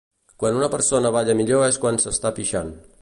Quan una persona balla millor és quan s'està pixant